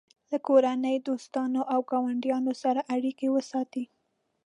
له کورنۍ، دوستانو او ګاونډیانو سره اړیکې وساتئ.